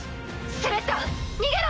スレッタ逃げろ！